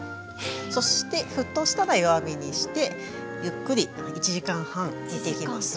そして沸騰したら弱火にしてゆっくり１時間半煮ていきます。